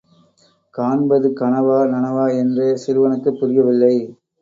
காண்பது கனவா, நனவா என்றே சிறுவனுக்குப் புரியவில்லை.